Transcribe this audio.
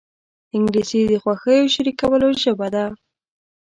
انګلیسي د خوښیو شریکولو ژبه ده